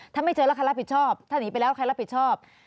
ถ้าไม่เจอแล้วใครรับผิดชอบถ้าหนีไปแล้วใครรับผิดชอบ